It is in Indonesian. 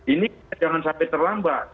ini jangan sampai terlambat